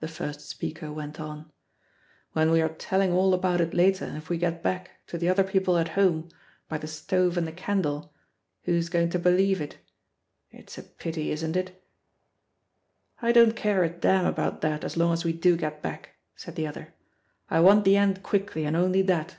the first speaker went on, "when we are telling all about it later, if we get back, to the other people at home, by the stove and the candle, who's going to believe it? It's a pity, isn't it?" "I don't care a damn about that, as long as we do get back," said the other; "I want the end quickly, and only that."